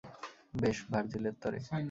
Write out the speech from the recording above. বেশ, ভার্জিলের তরে।